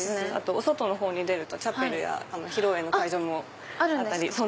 お外の方に出るとチャペルや披露宴の会場もあったり。